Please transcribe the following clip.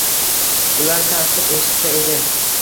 Ular tanqid eshitsa edi.